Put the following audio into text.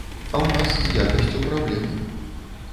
А ў нас з якасцю праблемы.